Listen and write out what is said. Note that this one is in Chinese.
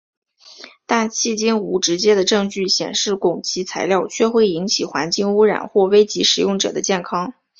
但迄今无直接的证据显示汞齐材料确会引起环境污染或危及使用者的健康。